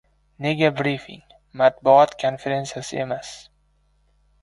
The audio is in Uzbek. Nega brifing, matbuot konferentsiyasi emas?